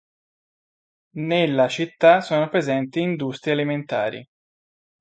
Nella città sono presenti industrie alimentari.